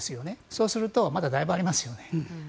そうするとまだだいぶありますよね。